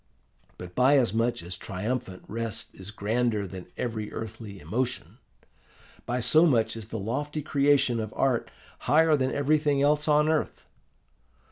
But by as much as triumphant rest is grander than every earthly emotion, by so much is the lofty creation of art higher than everything else on earth.